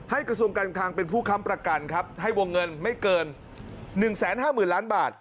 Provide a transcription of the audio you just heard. ให้กระทรวงการคลังเป็นผู้คำประกันครับให้วงเงินไม่เกินหนึ่งแสนห้าหมื่นล้านบาท